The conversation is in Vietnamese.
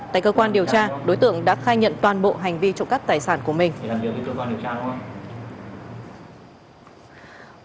tại cơ quan điều tra đối tượng đã khai nhận toàn bộ hành vi trộm cắp tài sản của mình